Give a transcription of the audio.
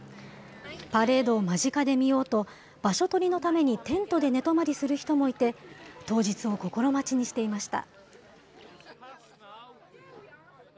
パレードを間近で見ようと、場所取りのために、テントで寝泊まりする人もいて、当日を心待ちにしていました。